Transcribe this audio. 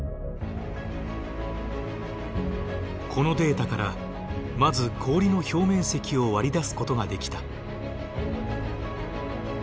このデータからまず氷の表面積を割り出すことができた。